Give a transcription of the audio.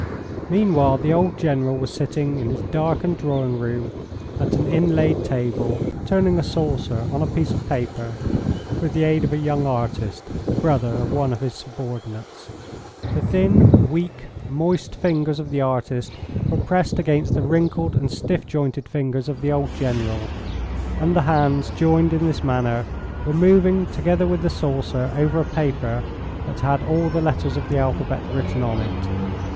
Meanwhile the old General was sitting in his darkened drawing room at an inlaid table, turning a saucer on a piece of paper with the aid of a young artist, the brother of one of his subordinates. The thin, weak, moist fingers of the artist were pressed against the wrinkled and stiff jointed fingers of the old General, and the hands joined in this manner were moving together with the saucer over a paper that had all the letters of the alphabet written on it.